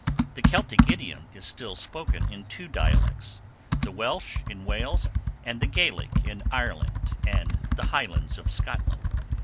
The Celtic idiom is still spoken in two dialects, the Welsh in Wales, and the Gaelic in Ireland and the Highlands of Scotland.